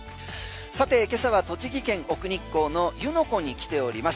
さて今朝は栃木県・奥日光の湯ノ湖に来ております。